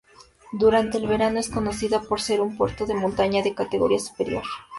Durante el verano es conocida por ser un puerto de montaña de categoría superior.